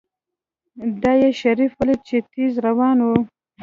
دا يې شريف وليد چې تېز روان و.